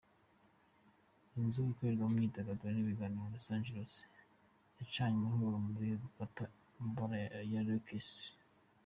Inzu ikorerwamo imyidagaruro n'ibiganiro ya Los Angeles yacanywemo urumuri rutaka amabara ya Lakers.